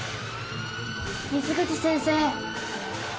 水口先生。